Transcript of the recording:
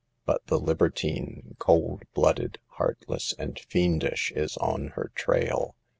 But the libertine, cold blooded, heartless, and fiendish, is on her trail.